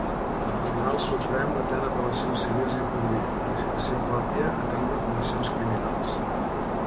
El Tribunal Suprem atén apel·lacions civils i podria, a discreció pròpia, atendre apel·lacions criminals.